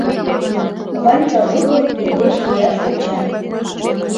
Ванька Жуков индеш ияш йоча.